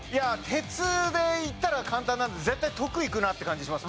「鉄」でいったら簡単なので絶対「徳」いくなって感じします。